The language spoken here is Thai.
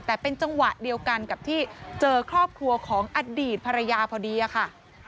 แต่เป็นจังหวะเดียวกันกับที่เจอครอบครัวของอดีตภรรยาพอดีอะค่ะ